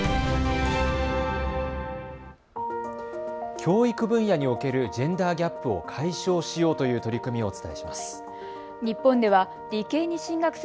教育分野におけるジェンダーギャップを解消しようという取り組みをお伝えします。